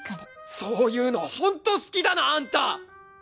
そういうのホント好きだなあんた！